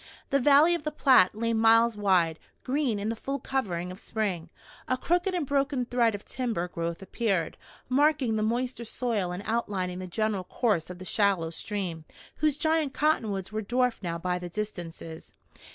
The valley of the Platte lay miles wide, green in the full covering of spring. A crooked and broken thread of timber growth appeared, marking the moister soil and outlining the general course of the shallow stream, whose giant cottonwoods were dwarfed now by the distances.